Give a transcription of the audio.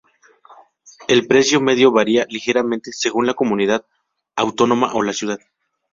El precio medio varia ligeramente según la comunidad autónoma o la ciudad.